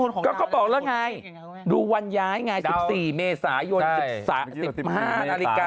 อู๋ดูสิก็บอกแล้วไงดูวันย้ายไงสิบสี่เมษายนสิบสามสิบห้านาฬิกา